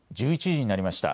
１１時になりました。